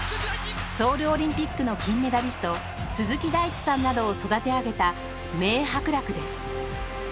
ソウルオリンピックの金メダリスト鈴木大地さんなどを育て上げた名伯楽です。